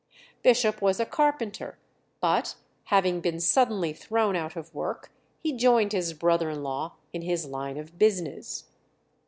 Bishop was a carpenter, but having been suddenly thrown out of work, he joined his brother in law in his line of business.